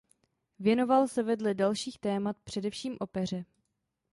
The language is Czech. Věnoval se vedle dalších témat především opeře.